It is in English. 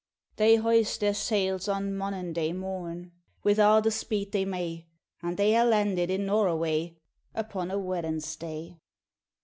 They hoysed their sails on Monenday morn, Wi' a' the speed they may; And they hae landed in Noroway Upon a Wedensday.